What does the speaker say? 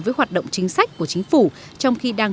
chính phủ thì tôi nghĩ rằng